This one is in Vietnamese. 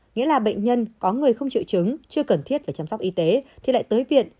nghĩa là bệnh nhân có người không triệu chứng chưa cần thiết phải chăm sóc y tế thì lại tới viện